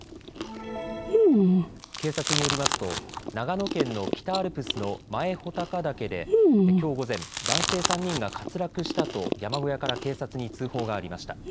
警察によりますと長野県の北アルプスの前穂高岳できょう午前、男性３人が滑落したと山小屋から警察に通報がありました。